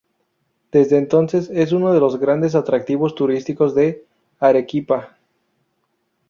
Desde entonces es uno de los grandes atractivos turísticos de Arequipa.